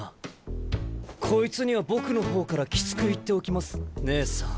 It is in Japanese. こいつには僕の方からきつく言っておきます姉さん。